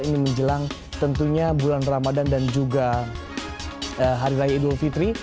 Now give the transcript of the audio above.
ini menjelang tentunya bulan ramadhan dan juga hari raya idul fitri